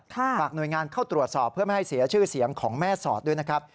ฝากหน่วยงานเข้าตรวจสอบเพื่อไม่ให้เสียชื่อเสียงของแม่สอดด้วยนะครับ